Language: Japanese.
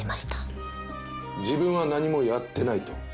自分は何もやってないと？